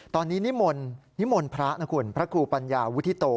ตอนนี้นิมนต์นิมนต์พระนะคุณพระครูปัญญาวุฒิโต